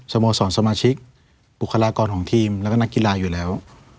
โมสรสมาชิกบุคลากรของทีมแล้วก็นักกีฬาอยู่แล้ว